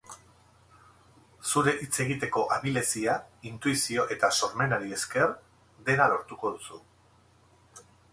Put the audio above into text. Zure hitz egiteko abilezia, intuizio eta sormenari esker, dena lortuko duzu.